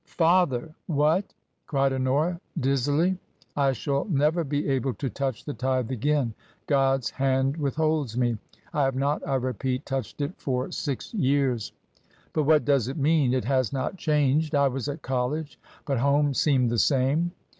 " Father ! WhatT cried Honora, dizzily. " I shall never be able to touch the Tithe again. God's hand withholds me. I have not, I repeat, touched it for six years." TRANSITION. 35 But what does it mean ? It has not changed ! I was at college. But home seemed the same."